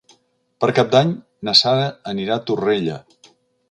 Per Cap d'Any na Sara anirà a Torrella.